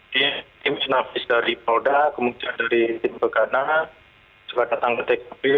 di tim inavis dari polda kemudian dari tim pegana juga datang ke tkp